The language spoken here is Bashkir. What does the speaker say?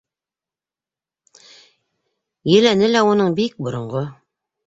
Еләне лә уның бик боронғо.